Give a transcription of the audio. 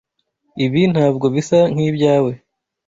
Ibi ntabwo bisa nkibyawe.